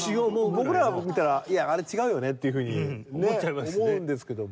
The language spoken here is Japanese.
僕らが見たら「いやあれ違うよね」っていうふうにね思うんですけども。